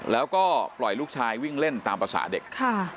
แล้วก็ปล่อยลูกชายวิ่งเล่นตามภาษาเด็กค่ะ